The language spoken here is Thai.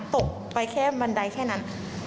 ตกไปแค่บันไดแค่นั้น